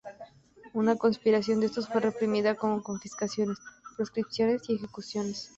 Una conspiración de estos fue reprimida con confiscaciones, proscripciones y ejecuciones.